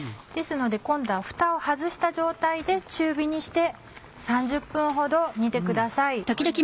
ですので今度はふたを外した状態で中火にして３０分ほど煮てください。